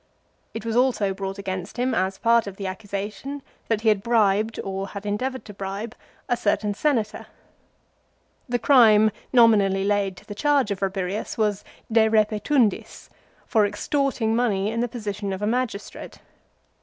It was also brought against him as part of the accusation that he had bribed, or had endeavoured to bribe, a certain Senator. The crime nominally laid to the charge of Rabirius was "De repetundis," for extorting money in the position of a magistrate.